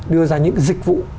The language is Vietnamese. đưa ra những dịch vụ